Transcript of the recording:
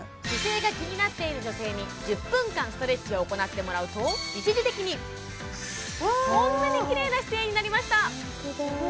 姿勢が気になっている女性に１０分間ストレッチを行ってもらうと一時的にこんなにきれいな姿勢になりました